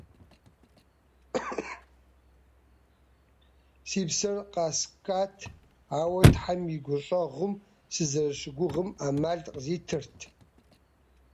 Си псэр къэскӀат, ауэ Тхьэм и гущӀэгъум сызэрыщыгугъым Ӏэмал къызитырт къыспэплъэ шынагъуэм сыкъэмыланджэу сежьэну.